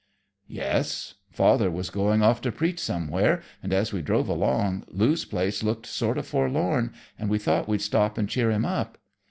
"Yes. Father was going off to preach somewhere, and, as we drove along, Lou's place looked sort of forlorn, and we thought we'd stop and cheer him up.